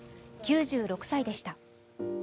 ９６歳でした。